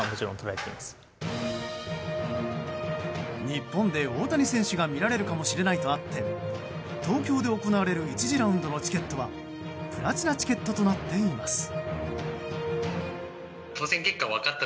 日本で大谷選手が見られるかもしれないとあって東京で行われる１次ラウンドのチケットはプラチナチケットとなっています。